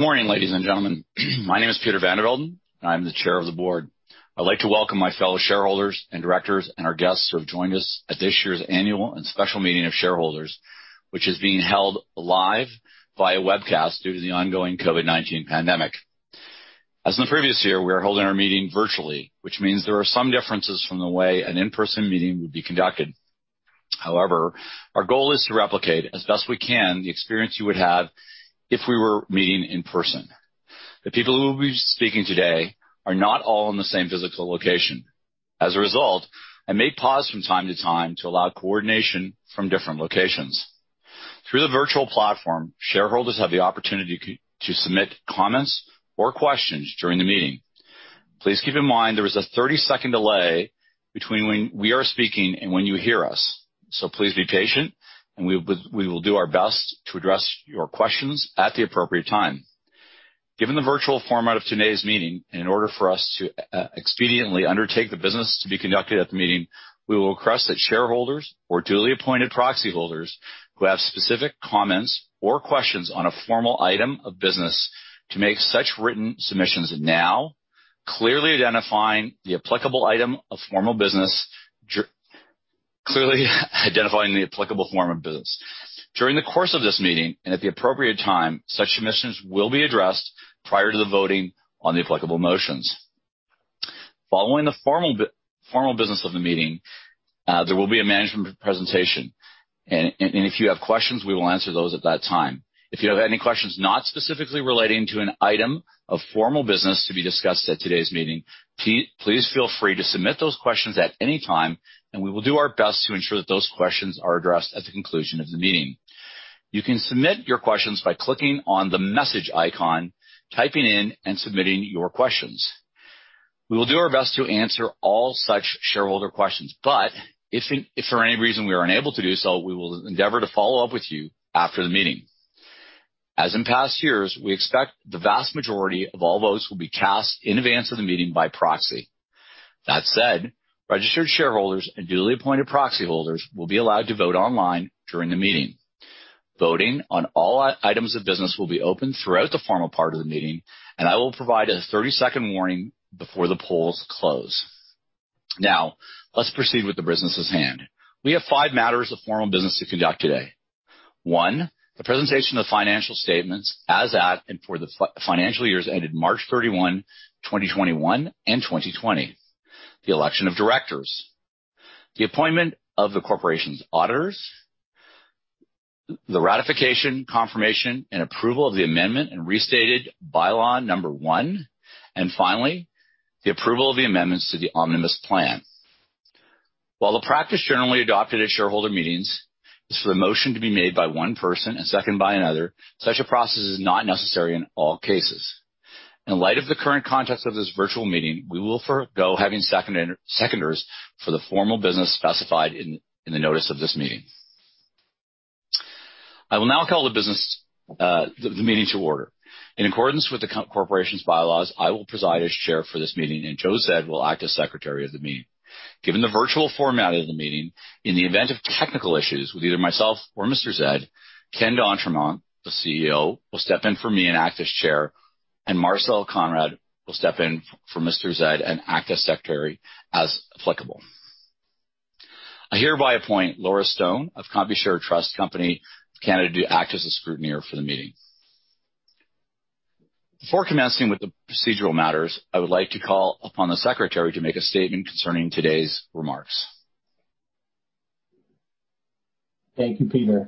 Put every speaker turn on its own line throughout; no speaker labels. Morning, ladies and gentlemen. My name is Peter van der Velden, and I'm the Chair of the Board. I'd like to welcome my fellow shareholders and directors and our guests who have joined us at this year's Annual and Special Meeting of Shareholders, which is being held live via webcast due to the ongoing COVID-19 pandemic. As in the previous year, we are holding our meeting virtually, which means there are some differences from the way an in-person meeting would be conducted. However, our goal is to replicate, as best we can, the experience you would have if we were meeting in person. The people who will be speaking today are not all in the same physical location. As a result, I may pause from time to time to allow coordination from different locations. Through the virtual platform, shareholders have the opportunity to submit comments or questions during the meeting. Please keep in mind there is a 30-second delay between when we are speaking and when you hear us. So please be patient, and we will do our best to address your questions at the appropriate time. Given the virtual format of today's meeting, and in order for us to expediently undertake the business to be conducted at the meeting, we will request that shareholders or duly appointed proxy holders who have specific comments or questions on a formal item of business to make such written submissions now, clearly identifying the applicable form of business. During the course of this meeting, and at the appropriate time, such submissions will be addressed prior to the voting on the applicable motions. Following the formal business of the meeting, there will be a management presentation, and if you have questions, we will answer those at that time. If you have any questions not specifically relating to an item of formal business to be discussed at today's meeting, please feel free to submit those questions at any time, and we will do our best to ensure that those questions are addressed at the conclusion of the meeting. You can submit your questions by clicking on the message icon, typing in, and submitting your questions. We will do our best to answer all such shareholder questions, but if for any reason we are unable to do so, we will endeavor to follow up with you after the meeting. As in past years, we expect the vast majority of all votes will be cast in advance of the meeting by proxy. That said, registered shareholders and duly appointed proxy holders will be allowed to vote online during the meeting. Voting on all items of business will be open throughout the formal part of the meeting, and I will provide a 30-second warning before the polls close. Now, let's proceed with the business at hand. We have five matters of formal business to conduct today. One, the presentation of financial statements as at and for the financial years ended March 31, 2021, and 2020. The election of directors. The appointment of the corporation's auditors. The ratification, confirmation, and approval of the amendment and restated bylaw number one, and finally, the approval of the amendments to the omnibus plan. While the practice generally adopted at shareholder meetings is for the motion to be made by one person and seconded by another, such a process is not necessary in all cases. In light of the current context of this virtual meeting, we will forego having seconders for the formal business specified in the notice of this meeting. I will now call the meeting to order. In accordance with the corporation's bylaws, I will preside as chair for this meeting, and Joe Zed will act as secretary of the meeting. Given the virtual format of the meeting, in the event of technical issues with either myself or Mr. Zed, Ken d'Entremont, the CEO, will step in for me and act as chair, and Marcel Konrad will step in for Mr. Zed and act as secretary as applicable. I hereby appoint Laura Stone of Computershare Trust Company of Canada to act as the scrutineer for the meeting. Before commencing with the procedural matters, I would like to call upon the secretary to make a statement concerning today's remarks.
Thank you, Peter.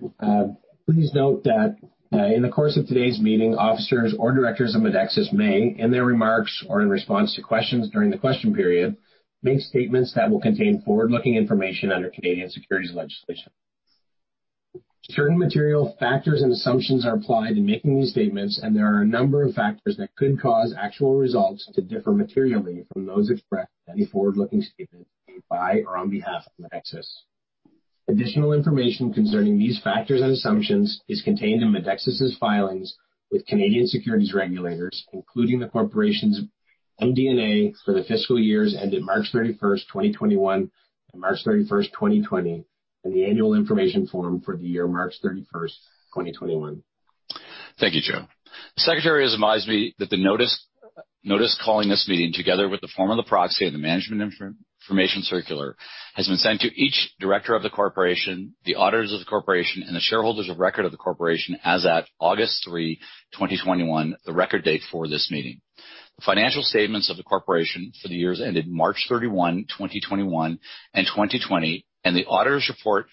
Please note that in the course of today's meeting, officers or directors of Medexus may, in their remarks or in response to questions during the question period, make statements that will contain forward-looking information under Canadian securities legislation. Certain material factors and assumptions are applied in making these statements, and there are a number of factors that could cause actual results to differ materially from those expressed in any forward-looking statement made by or on behalf of Medexus. Additional information concerning these factors and assumptions is contained in Medexus' filings with Canadian securities regulators, including the corporation's MD&A for the fiscal years ended March 31st, 2021, and March 31st, 2020, and the annual information form for the year March 31st, 2021.
Thank you, Joe. The secretary has advised me that the notice calling this meeting, together with the form of the proxy and the management information circular, has been sent to each director of the corporation, the auditors of the corporation, and the shareholders of record of the corporation as at August 3, 2021, the record date for this meeting. The financial statements of the corporation for the years ended March 31, 2021, and 2020, and the auditor's report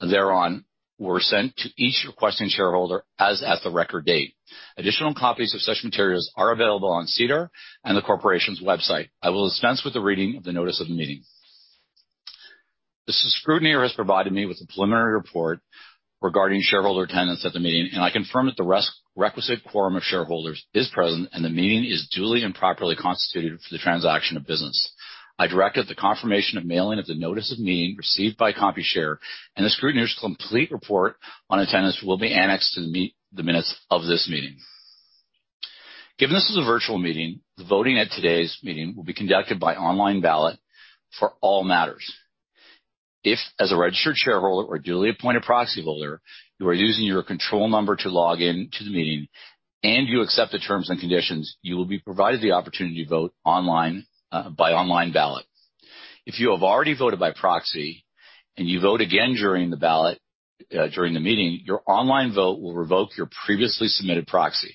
thereon were sent to each requesting shareholder as at the record date. Additional copies of such materials are available on SEDAR and the corporation's website. I will dispense with the reading of the notice of the meeting. The scrutineer has provided me with a preliminary report regarding shareholder attendance at the meeting, and I confirm that the requisite quorum of shareholders is present, and the meeting is duly and properly constituted for the transaction of business. I direct that the confirmation of mailing of the notice of meeting received by Computershare and the scrutineer's complete report on attendance will be annexed to the minutes of this meeting. Given this is a virtual meeting, the voting at today's meeting will be conducted by online ballot for all matters. If as a registered shareholder or duly appointed proxy holder, you are using your control number to log in to the meeting and you accept the terms and conditions, you will be provided the opportunity to vote online by online ballot. If you have already voted by proxy and you vote again during the meeting, your online vote will revoke your previously submitted proxy.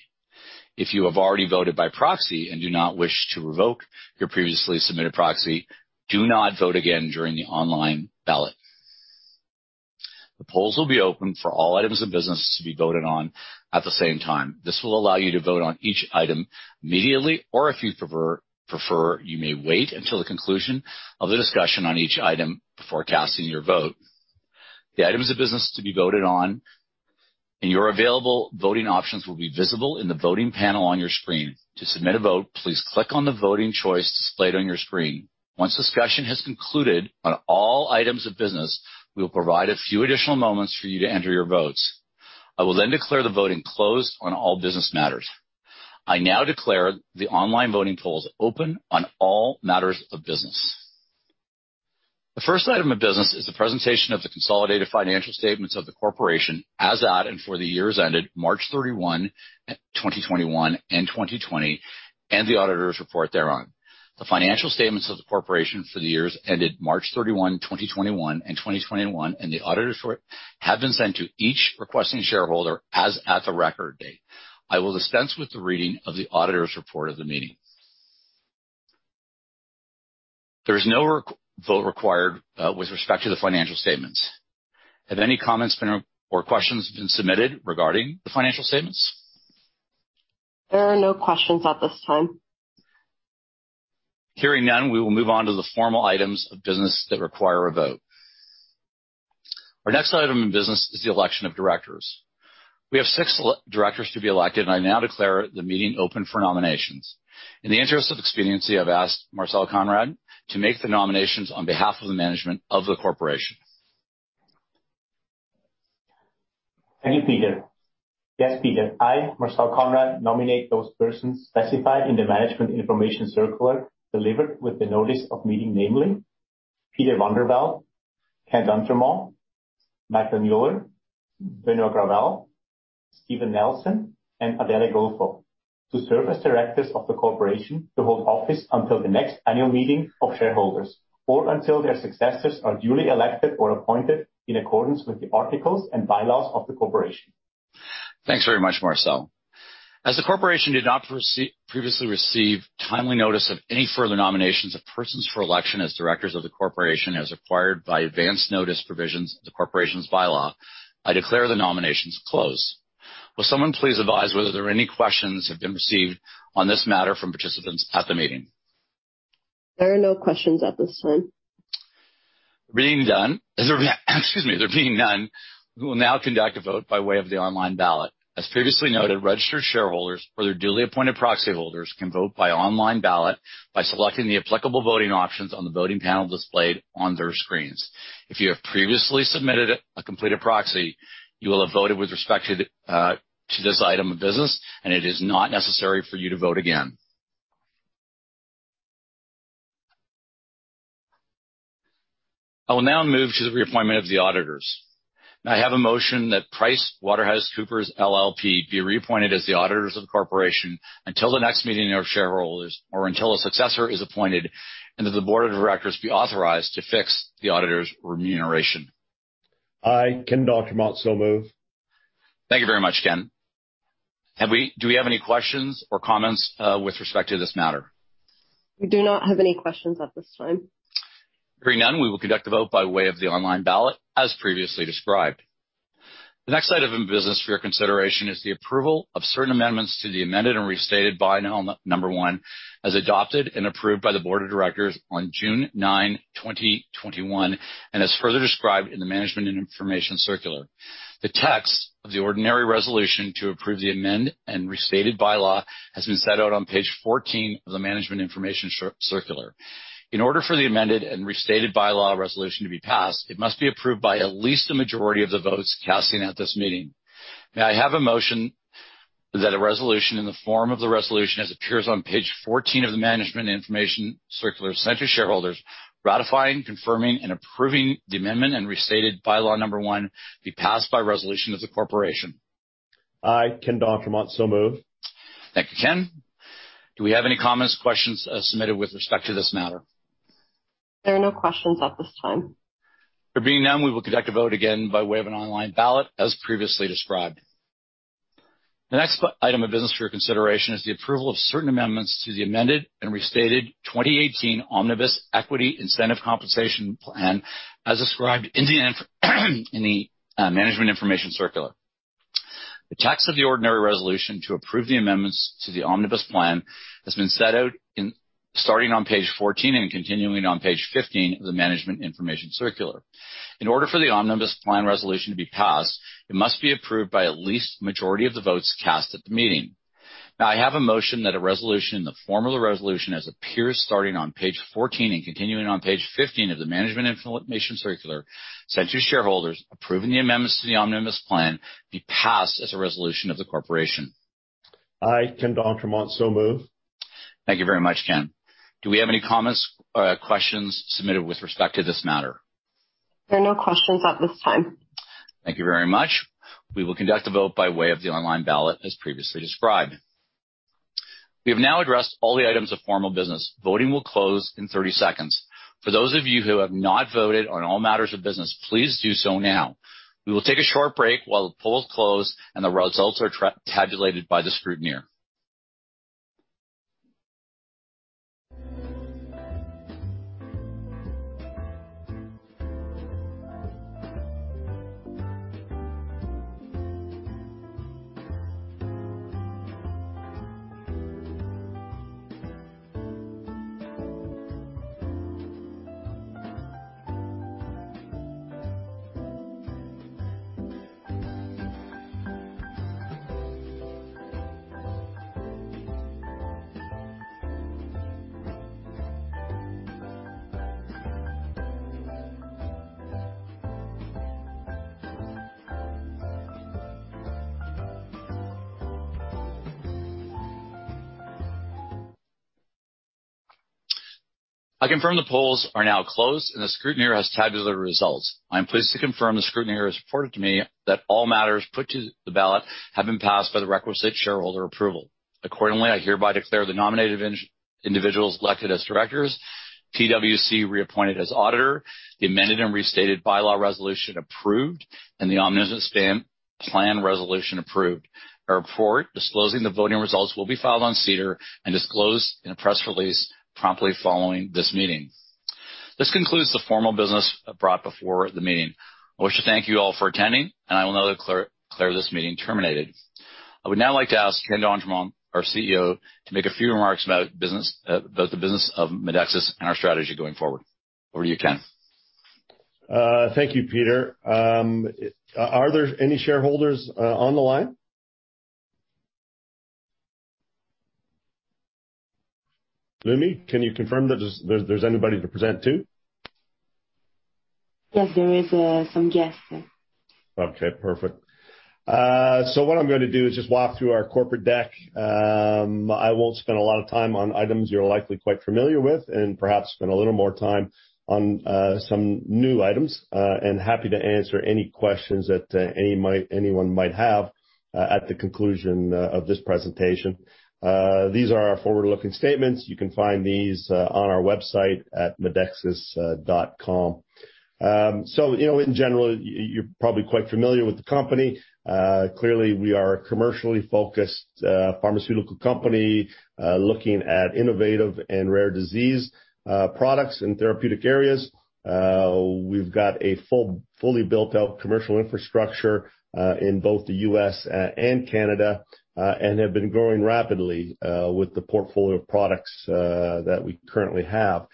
If you have already voted by proxy and do not wish to revoke your previously submitted proxy, do not vote again during the online ballot. The polls will be open for all items of business to be voted on at the same time. This will allow you to vote on each item immediately, or if you prefer, you may wait until the conclusion of the discussion on each item before casting your vote. The items of business to be voted on and your available voting options will be visible in the voting panel on your screen. To submit a vote, please click on the voting choice displayed on your screen. Once discussion has concluded on all items of business, we will provide a few additional moments for you to enter your votes. I will then declare the voting closed on all business matters. I now declare the online voting polls open on all matters of business. The first item of business is the presentation of the consolidated financial statements of the corporation as at and for the years ended March 31, 2021, and 2020, and the auditors report thereon. The financial statements of the corporation for the years ended March 31, 2021 and 2020 and the auditors report have been sent to each requesting shareholder as at the record date. I will dispense with the reading of the auditors report of the meeting. There is no vote required with respect to the financial statements. Have any comments or questions been submitted regarding the financial statements?
There are no questions at this time.
Hearing none, we will move on to the formal items of business that require a vote. Our next item of business is the election of directors. We have six directors to be elected. I now declare the meeting open for nominations. In the interest of expediency, I've asked Marcel Konrad to make the nominations on behalf of the management of the corporation.
Thank you, Peter. Yes, Peter. I, Marcel Konrad, nominate those persons specified in the management information circular delivered with the notice of meeting, namely Peter van der Velden, Ken d'Entremont, Michael Mueller, Benoit Gravel, Stephen Nelson, and Adele Gulfo, to serve as directors of the corporation to hold office until the next Annual Meeting of Shareholders, or until their successors are duly elected or appointed in accordance with the articles and bylaws of the corporation.
Thanks very much, Marcel. As the corporation did not previously receive timely notice of any further nominations of persons for election as directors of the corporation as required by advance notice provisions of the corporation's bylaw, I declare the nominations closed. Will someone please advise whether there are any questions that have been received on this matter from participants at the meeting?
There are no questions at this time.
Excuse me. There being none, we will now conduct a vote by way of the online ballot. As previously noted, registered shareholders or their duly appointed proxy holders can vote by online ballot by selecting the applicable voting options on the voting panel displayed on their screens. If you have previously submitted a completed proxy, you will have voted with respect to this item of business, and it is not necessary for you to vote again. I will now move to the reappointment of the auditors. May I have a motion that PricewaterhouseCoopers LLP be reappointed as the auditors of the corporation until the next meeting of shareholders or until a successor is appointed, and that the board of directors be authorized to fix the auditors' remuneration?
I, Ken d'Entremont, so move.
Thank you very much, Ken. Do we have any questions or comments with respect to this matter?
We do not have any questions at this time.
Hearing none, we will conduct a vote by way of the online ballot as previously described. The next item of business for your consideration is the approval of certain amendments to the amended and restated bylaw number one, as adopted and approved by the board of directors on June 9, 2021, and as further described in the management information circular. The text of the ordinary resolution to approve the amended and restated bylaw has been set out on page 14 of the management information circular. In order for the amended and restated bylaw resolution to be passed, it must be approved by at least the majority of the votes cast at this meeting. May I have a motion that a resolution in the form of the resolution as appears on page 14 of the management information circular sent to shareholders ratifying, confirming, and approving the amendment and restated bylaw number one be passed by resolution of the corporation?
I, Ken d'Entremont, so move.
Thank you, Ken. Do we have any comments or questions submitted with respect to this matter?
There are no questions at this time.
There being none, we will conduct a vote again by way of an online ballot as previously described. The next item of business for your consideration is the approval of certain amendments to the amended and restated 2018 Omnibus Equity Incentive Compensation Plan as described in the management information circular. The text of the ordinary resolution to approve the amendments to the Omnibus Plan has been set out starting on page 14 and continuing on page 15 of the management information circular. In order for the Omnibus Plan resolution to be passed, it must be approved by at least a majority of the votes cast at the meeting. May I have a motion that a resolution in the form of the resolution as appears starting on page 14 and continuing on page 15 of the Management Information Circular sent to shareholders approving the amendments to the Omnibus Plan be passed as a resolution of the corporation?
I, Ken d'Entremont, so move.
Thank you very much, Ken. Do we have any comments or questions submitted with respect to this matter?
There are no questions at this time.
Thank you very much. We will conduct a vote by way of the online ballot as previously described. We have now addressed all the items of formal business. Voting will close in 30 seconds. For those of you who have not voted on all matters of business, please do so now. We will take a short break while the polls close and the results are tabulated by the scrutineer. I confirm the polls are now closed and the scrutineer has tabulated the results. I am pleased to confirm the scrutineer has reported to me that all matters put to the ballot have been passed by the requisite shareholder approval. Accordingly, I hereby declare the nominated individuals elected as directors, PwC reappointed as auditor, the amended and restated bylaw resolution approved, and the omnibus plan resolution approved. A report disclosing the voting results will be filed on SEDAR and disclosed in a press release promptly following this meeting. This concludes the formal business brought before the meeting. I wish to thank you all for attending, and I will now declare this meeting terminated. I would now like to ask Ken d'Entremont, our CEO, to make a few remarks about the business of Medexus and our strategy going forward. Over to you, Ken.
Thank you, Peter. Are there any shareholders on the line? Lumi, can you confirm that there's anybody to present to?
Yes, there is some guests, sir.
Okay, perfect. What I'm going to do is just walk through our corporate deck. I won't spend a lot of time on items you're likely quite familiar with and perhaps spend a little more time on some new items. Happy to answer any questions that anyone might have at the conclusion of this presentation. These are our forward-looking statements. You can find these on our website at medexus.com. In general, you're probably quite familiar with the company. Clearly, we are a commercially focused pharmaceutical company looking at innovative and rare disease products in therapeutic areas. We've got a fully built-out commercial infrastructure in both the U.S. and Canada, and have been growing rapidly with the portfolio of products that we currently have.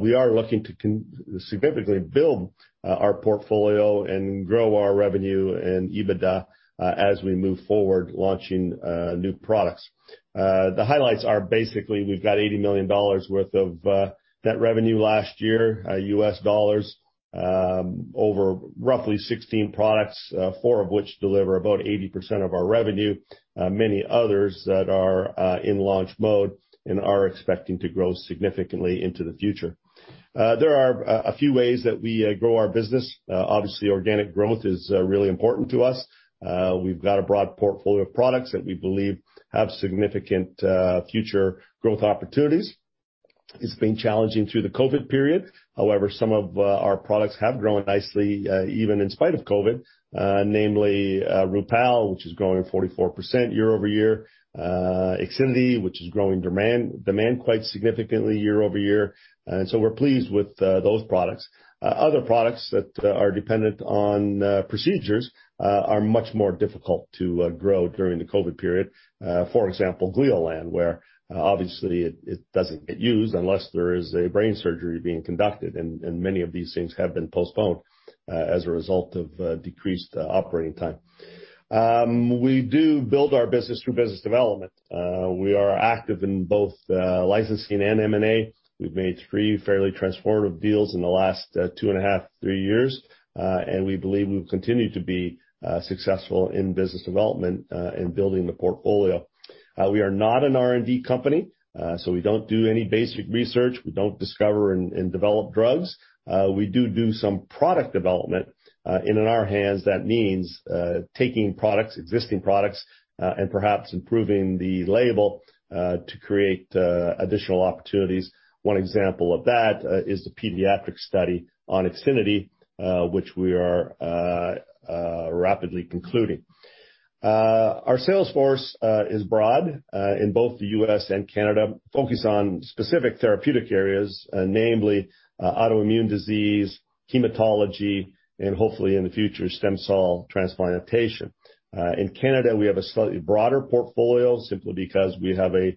We are looking to significantly build our portfolio and grow our revenue and EBITDA as we move forward launching new products. The highlights are basically we've got $80 million worth of net revenue last year, U.S. dollars, over roughly 16 products, four of which deliver about 80% of our revenue. Many others that are in launch mode and are expecting to grow significantly into the future. There are a few ways that we grow our business. Obviously, organic growth is really important to us. We've got a broad portfolio of products that we believe have significant future growth opportunities. It's been challenging through the COVID period. However, some of our products have grown nicely even in spite of COVID, namely Rupall, which is growing 44% year-over-year. IXINITY, which is growing demand quite significantly year-over-year. We're pleased with those products. Other products that are dependent on procedures are much more difficult to grow during the COVID period. For example, Gleolan, where obviously it doesn't get used unless there is a brain surgery being conducted. Many of these things have been postponed as a result of decreased operating time. We do build our business through business development. We are active in both licensing and M&A. We've made three fairly transformative deals in the last 2.5 to three years, and we believe we will continue to be successful in business development in building the portfolio. We are not an R&D company, so we don't do any basic research. We don't discover and develop drugs. We do do some product development. In our hands, that means taking existing products and perhaps improving the label to create additional opportunities. One example of that is the pediatric study on IXINITY, which we are rapidly concluding. Our sales force is broad in both the U.S. and Canada, focused on specific therapeutic areas, namely autoimmune disease, hematology, and hopefully in the future, stem cell transplantation. In Canada, we have a slightly broader portfolio simply because we have a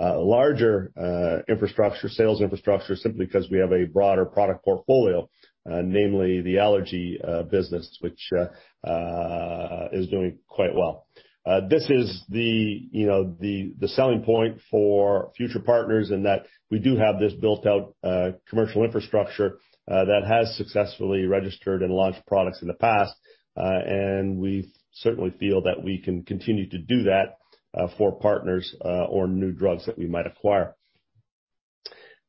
larger sales infrastructure simply because we have a broader product portfolio, namely the allergy business, which is doing quite well. This is the selling point for future partners in that we do have this built-out commercial infrastructure that has successfully registered and launched products in the past. We certainly feel that we can continue to do that for partners or new drugs that we might acquire.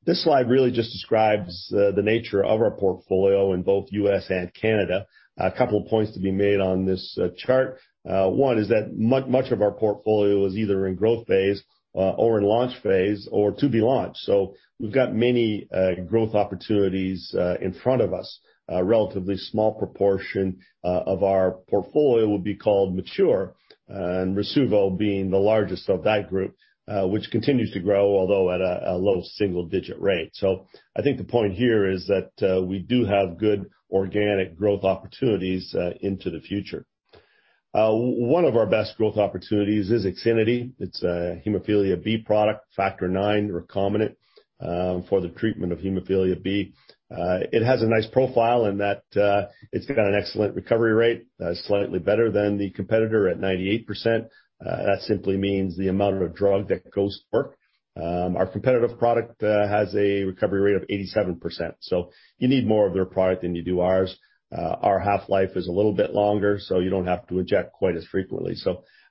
This slide really just describes the nature of our portfolio in both U.S. and Canada. A couple points to be made on this chart. One is that much of our portfolio is either in growth phase or in launch phase or to be launched. We've got many growth opportunities in front of us. A relatively small proportion of our portfolio will be called mature, and Rasuvo being the largest of that group, which continues to grow, although at a low single-digit rate. I think the point here is that we do have good organic growth opportunities into the future. One of our best growth opportunities is IXINITY. It's a hemophilia B product, factor IX recombinant, for the treatment of hemophilia B. It has a nice profile in that it's got an excellent recovery rate, slightly better than the competitor at 98%. That simply means the amount of drug that goes to work. Our competitive product has a recovery rate of 87%, so you need more of their product than you do ours. Our half-life is a little bit longer, so you don't have to inject quite as frequently.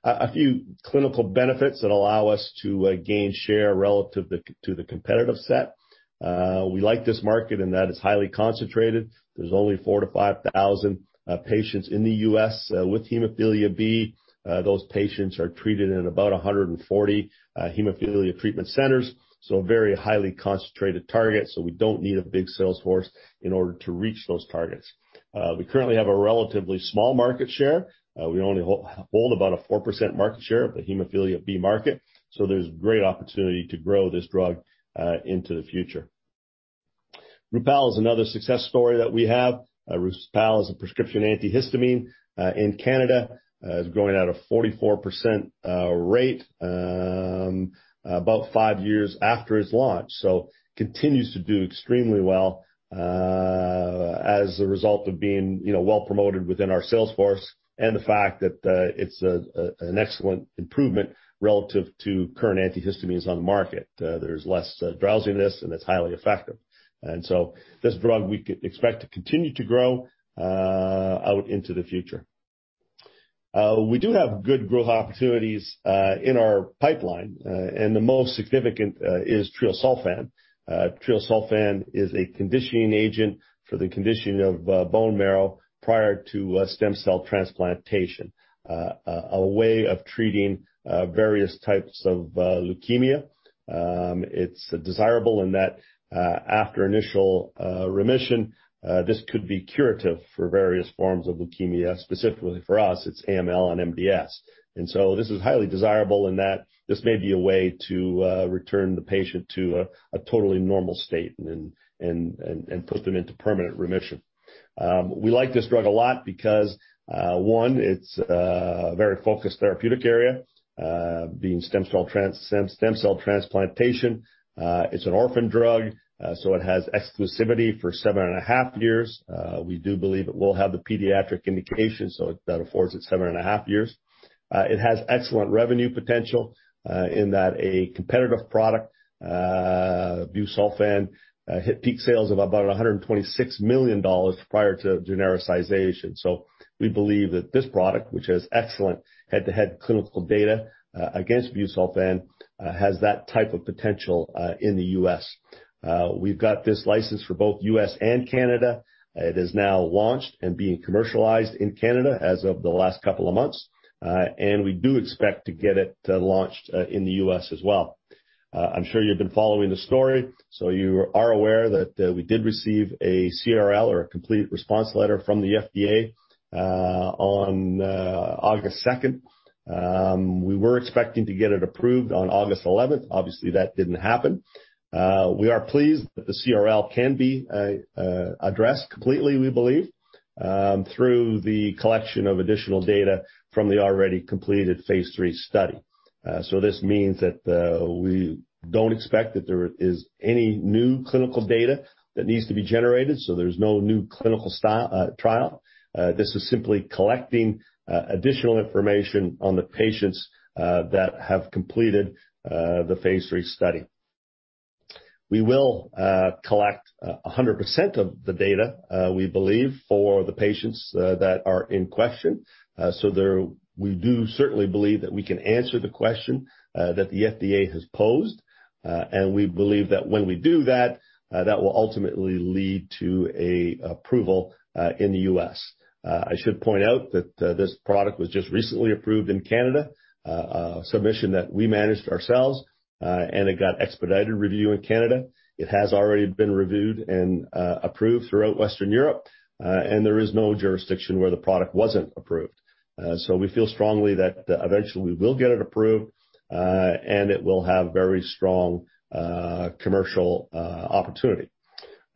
A few clinical benefits that allow us to gain share relative to the competitive set. We like this market in that it's highly concentrated. There's only 4,000-5,000 patients in the U.S. with hemophilia B. Those patients are treated in about 140 hemophilia treatment centers, so a very highly concentrated target. We don't need a big sales force in order to reach those targets. We currently have a relatively small market share. We only hold about a 4% market share of the hemophilia B market, so there's great opportunity to grow this drug into the future. Rupall is another success story that we have. Rupall is a prescription antihistamine in Canada. It's growing at a 44% rate about five years after its launch, so continues to do extremely well as a result of being well promoted within our sales force and the fact that it's an excellent improvement relative to current antihistamines on the market. There's less drowsiness, and it's highly effective. This drug we expect to continue to grow out into the future. We do have good growth opportunities in our pipeline, and the most significant is treosulfan. Treosulfan is a conditioning agent for the conditioning of bone marrow prior to stem cell transplantation, a way of treating various types of leukemia. It's desirable in that after initial remission, this could be curative for various forms of leukemia. Specifically for us, it's AML and MDS. This is highly desirable in that this may be a way to return the patient to a totally normal state and put them into permanent remission. We like this drug a lot because one, it's a very focused therapeutic area, being stem cell transplantation. It's an orphan drug, so it has exclusivity for 7.5 years. We do believe it will have the pediatric indication, so that affords it 7.5 years. It has excellent revenue potential in that a competitive product, busulfan, hit peak sales of about $126 million prior to genericization. We believe that this product, which has excellent head-to-head clinical data against busulfan, has that type of potential in the U.S. We've got this license for both U.S. and Canada. It is now launched and being commercialized in Canada as of the last couple of months. We do expect to get it launched in the U.S. as well. I'm sure you've been following the story, so you are aware that we did receive a CRL, or a complete response letter, from the FDA on August 2nd. We were expecting to get it approved on August 11th. Obviously, that didn't happen. We are pleased that the CRL can be addressed completely, we believe, through the collection of additional data from the already completed phase III study. This means that we don't expect that there is any new clinical data that needs to be generated, so there's no new clinical trial. This is simply collecting additional information on the patients that have completed the phase III study. We will collect 100% of the data, we believe, for the patients that are in question. We do certainly believe that we can answer the question that the FDA has posed, and we believe that when we do that will ultimately lead to an approval in the U.S. I should point out that this product was just recently approved in Canada, a submission that we managed ourselves, and it got expedited review in Canada. It has already been reviewed and approved throughout Western Europe, and there is no jurisdiction where the product wasn't approved. We feel strongly that eventually we will get it approved, and it will have very strong commercial opportunity.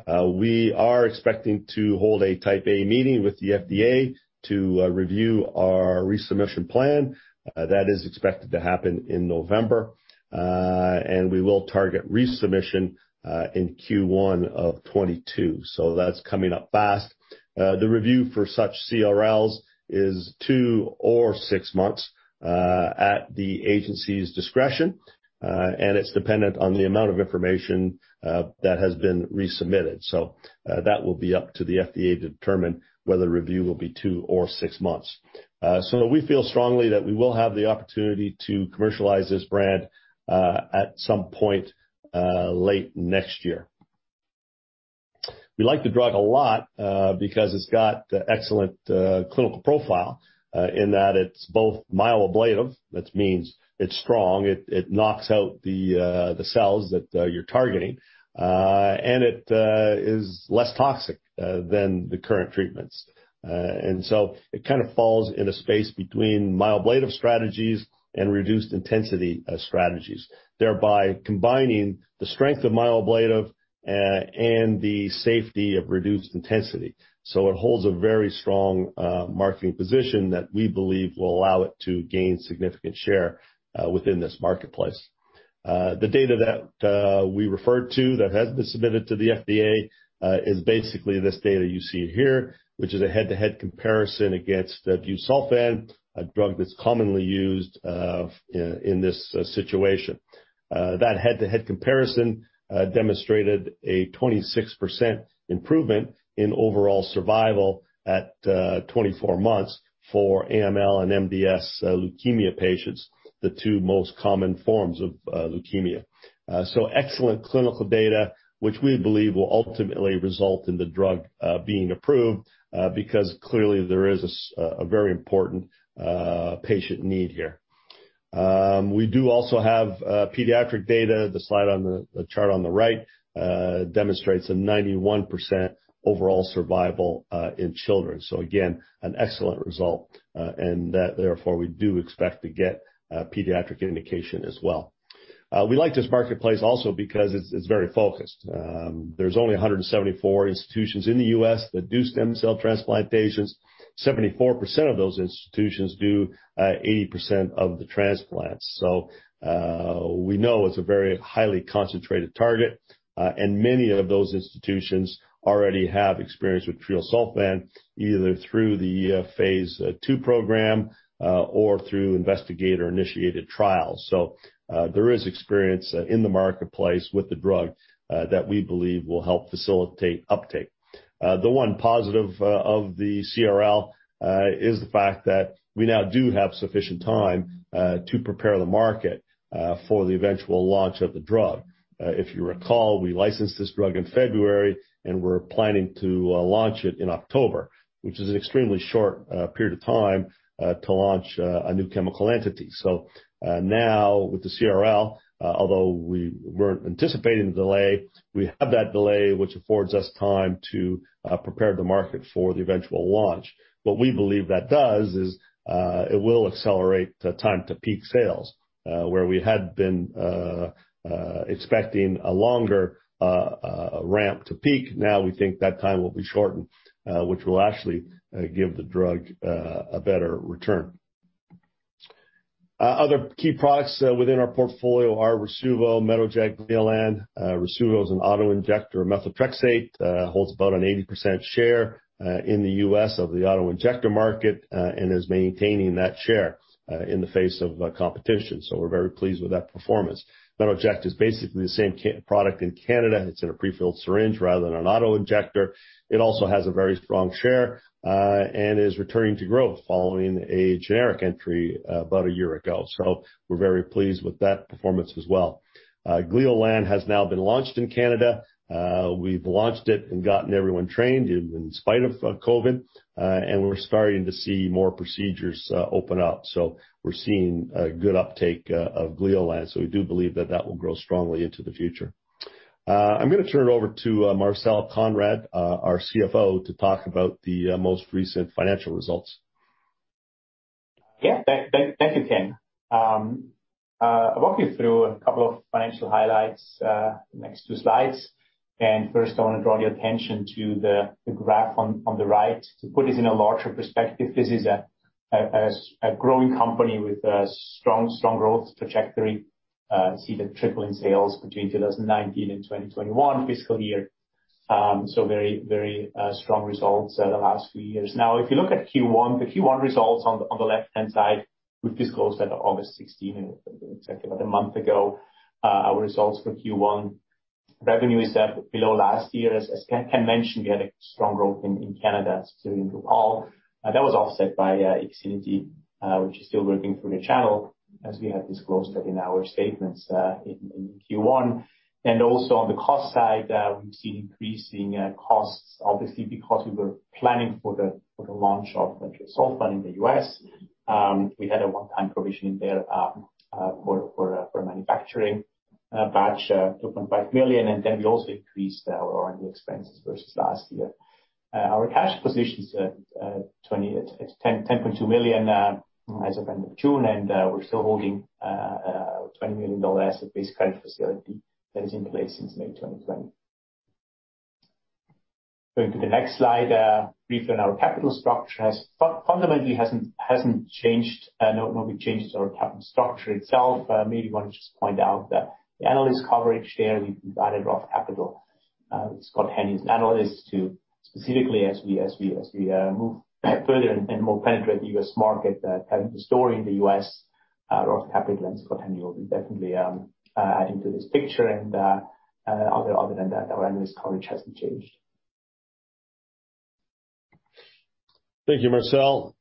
We are expecting to hold a Type A meeting with the FDA to review our resubmission plan. That is expected to happen in November. We will target resubmission in Q1 of 2022. That's coming up fast. The review for such CRLs is two or six months at the agency's discretion, and it's dependent on the amount of information that has been resubmitted. That will be up to the FDA to determine whether review will be two or six months. We feel strongly that we will have the opportunity to commercialize this brand at some point late next year. We like the drug a lot because it's got excellent clinical profile in that it's both myeloablative, which means it's strong, it knocks out the cells that you're targeting, and it is less toxic than the current treatments. It kind of falls in a space between myeloablative strategies and reduced intensity strategies, thereby combining the strength of myeloablative and the safety of reduced intensity. It holds a very strong marketing position that we believe will allow it to gain significant share within this marketplace. The data that we referred to that has been submitted to the FDA is basically this data you see here, which is a head-to-head comparison against the busulfan, a drug that's commonly used in this situation. That head-to-head comparison demonstrated a 26% improvement in overall survival at 24 months for AML and MDS leukemia patients, the two most common forms of leukemia. Excellent clinical data, which we believe will ultimately result in the drug being approved because clearly there is a very important patient need here. We do also have pediatric data. The chart on the right demonstrates a 91% overall survival in children. Again, an excellent result, and therefore, we do expect to get pediatric indication as well. We like this marketplace also because it's very focused. There's only 174 institutions in the U.S. that do stem cell transplant patients. 74% of those institutions do 80% of the transplants. We know it's a very highly concentrated target, and many of those institutions already have experience with treosulfan, either through the phase II program or through investigator-initiated trials. There is experience in the marketplace with the drug that we believe will help facilitate uptake. The one positive of the CRL is the fact that we now do have sufficient time to prepare the market for the eventual launch of the drug. If you recall, we licensed this drug in February, and we're planning to launch it in October, which is an extremely short period of time to launch a new chemical entity. Now with the CRL, although we weren't anticipating the delay, we have that delay, which affords us time to prepare the market for the eventual launch. What we believe that does is it will accelerate the time to peak sales, where we had been expecting a longer ramp to peak. Now we think that time will be shortened, which will actually give the drug a better return. Other key products within our portfolio are Rasuvo, Metoject, Gleolan. Rasuvo is an auto-injector methotrexate, holds about an 80% share in the U.S. of the auto-injector market and is maintaining that share in the face of competition. We're very pleased with that performance. Metoject is basically the same product in Canada. It's in a pre-filled syringe rather than an auto-injector. It also has a very strong share and is returning to growth following a generic entry about a year ago. We're very pleased with that performance as well. Gleolan has now been launched in Canada. We've launched it and gotten everyone trained in spite of COVID, and we're starting to see more procedures open up. We're seeing a good uptake of Gleolan. We do believe that that will grow strongly into the future. I'm going to turn it over to Marcel Konrad, our CFO, to talk about the most recent financial results.
Yeah. Thank you, Ken. I'll walk you through a couple of financial highlights, next two slides. First, I want to draw your attention to the graph on the right. To put this in a larger perspective, this is a growing company with a strong growth trajectory. See the tripling in sales between 2019 and 2021 fiscal year. Very strong results the last few years. Now, if you look at Q1, the Q1 results on the left-hand side, we've disclosed that August 16, exactly about a month ago, our results for Q1. Revenue is below last year. As Ken mentioned, we had a strong growth in Canada, selling Rupall. That was offset by IXINITY, which is still working through the channel as we have disclosed that in our statements in Q1. On the cost side, we've seen increasing costs, obviously because we were planning for the launch of treosulfan in the U.S. We had a one-time provision in there for a manufacturing batch, $2.5 million, and then we also increased our R&D expenses versus last year. Our cash position's at $10.2 million as of end of June, and we're still holding a $20 million asset-based credit facility that is in place since May 2020. Going to the next slide. Briefly on our capital structure. Fundamentally hasn't changed. No big changes to our capital structure itself. Maybe want to just point out that the analyst coverage there, we've invited Roth Capital, Scott Henry's analyst, to specifically as we move further and more penetrate the U.S. market, telling the story in the U.S., Roth Capital and Scott Henry will be definitely adding to this picture. Other than that, our analyst coverage hasn't changed.
Thank you, Marcel.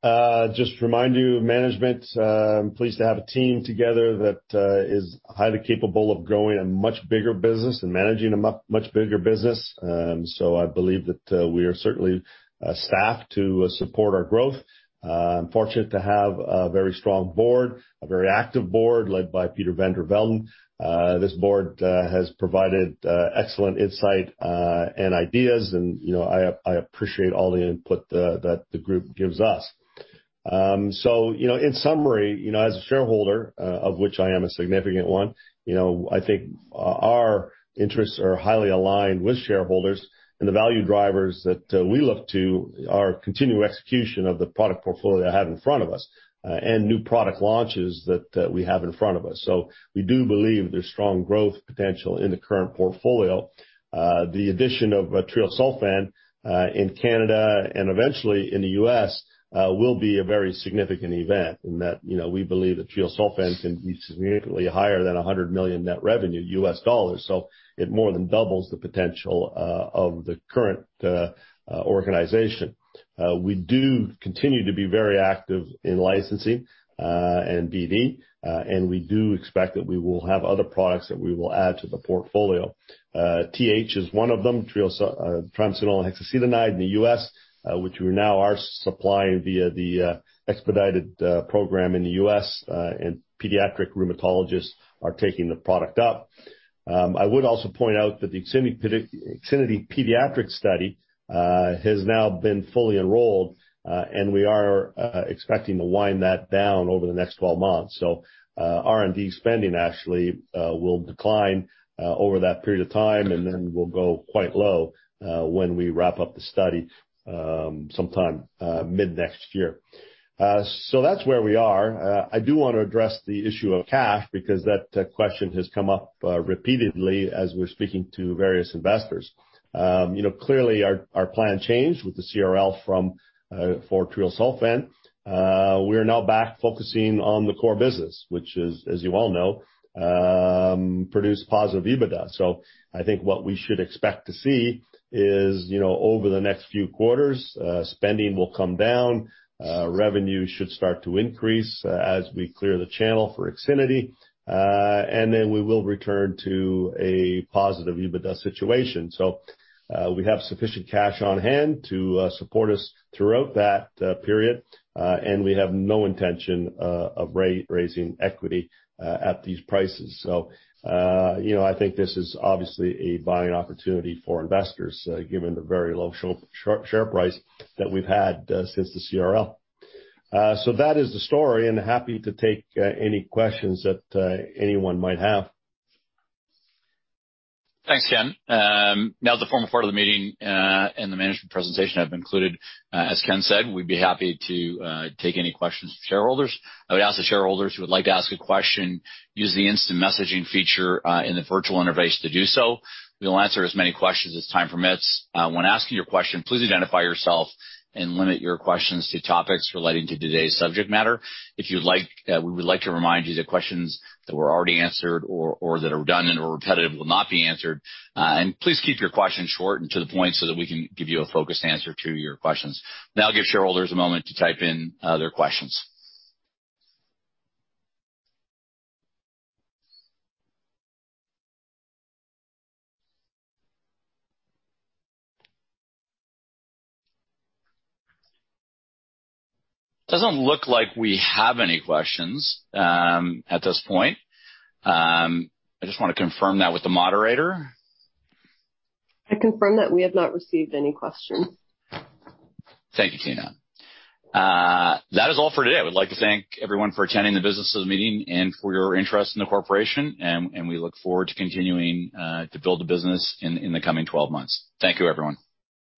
Just to remind you, management, I'm pleased to have a team together that is highly capable of growing a much bigger business and managing a much bigger business. I believe that we are certainly staffed to support our growth. I'm fortunate to have a very strong board, a very active board led by Peter van der Velden. This board has provided excellent insight, and ideas, and I appreciate all the input that the group gives us. In summary, as a shareholder, of which I am a significant one, I think our interests are highly aligned with shareholders, and the value drivers that we look to are continued execution of the product portfolio I have in front of us, and new product launches that we have in front of us. We do believe there's strong growth potential in the current portfolio. The addition of treosulfan in Canada and eventually in the U.S., will be a very significant event in that we believe that treosulfan can be significantly higher than $100 million net revenue U.S. dollars, so it more than doubles the potential of the current organization. We do continue to be very active in licensing and BD, and we do expect that we will have other products that we will add to the portfolio. TH is one of them, triamcinolone hexacetonide in the U.S., which we now are supplying via the expedited program in the U.S., and pediatric rheumatologists are taking the product up. I would also point out that the IXINITY pediatric study has now been fully enrolled, and we are expecting to wind that down over the next 12 months. R&D spending actually will decline over that period of time, and then will go quite low when we wrap up the study sometime mid-next year. That's where we are. I do want to address the issue of cash because that question has come up repeatedly as we're speaking to various investors. Clearly, our plan changed with the CRL for treosulfan. We are now back focusing on the core business, which as you all know, produce positive EBITDA. I think what we should expect to see is, over the next few quarters, spending will come down, revenue should start to increase as we clear the channel for IXINITY, and then we will return to a positive EBITDA situation. We have sufficient cash on hand to support us throughout that period. We have no intention of raising equity at these prices. I think this is obviously a buying opportunity for investors, given the very low share price that we've had since the CRL. That is the story, and happy to take any questions that anyone might have.
Thanks, Ken. Now that the formal part of the meeting and the management presentation have concluded, as Ken said, we'd be happy to take any questions from shareholders. I would ask that shareholders who would like to ask a question use the instant messaging feature in the virtual interface to do so. We will answer as many questions as time permits. When asking your question, please identify yourself and limit your questions to topics relating to today's subject matter. We would like to remind you that questions that were already answered or that are redundant or repetitive will not be answered. Please keep your questions short and to the point so that we can give you a focused answer to your questions. Now I'll give shareholders a moment to type in their questions. Doesn't look like we have any questions at this point. I just want to confirm that with the moderator.
I confirm that we have not received any questions.
Thank you, Tina. That is all for today. I would like to thank everyone for attending the business's meeting and for your interest in the corporation, and we look forward to continuing to build the business in the coming 12 months. Thank you, everyone.